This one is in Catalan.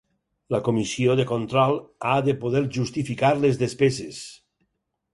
La Comissió de Control ha de poder justificar les despeses.